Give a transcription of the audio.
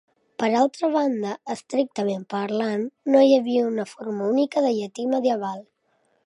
Per altra banda, estrictament parlant, no hi havia una forma única de "llatí medieval".